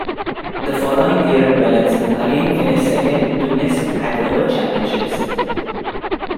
The following year Wellens again finished second to Nys at the World Championships.